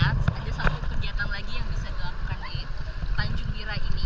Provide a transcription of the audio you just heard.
ada satu kegiatan lagi yang bisa dilakukan di tanjung bira ini